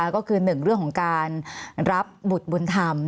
ก็คือ๑เรื่องของการรับบุตรบุญธรรม